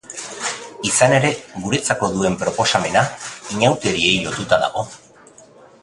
Izan ere guretzako duen proposamena, inauteriei lotuta dago.